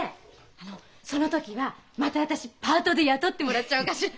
あのその時はまた私パートで雇ってもらっちゃおうかしら？